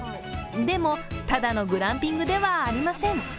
でも、ただのグランピングではありません。